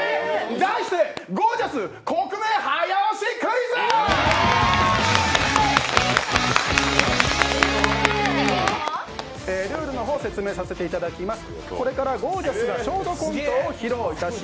題して、「ゴー☆ジャス国名早押しクイズ！」ルールの方、説明させていただきます。